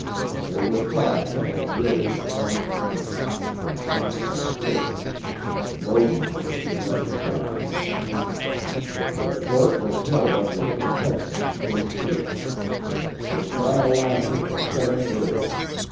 They were tried by a jury of Fleming County and promptly acquitted. Logan was never tried. "The court was held under the protection of State troops. The trial lasted for seven days.